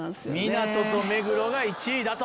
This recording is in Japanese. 港と目黒が１位だと。